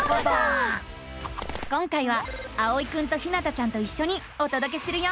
今回はあおいくんとひなたちゃんといっしょにおとどけするよ。